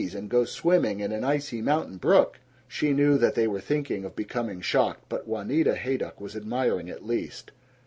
's and go swimming in an icy mountain brook." She knew that they were thinking of becoming shocked, but Juanita Haydock was admiring, at least.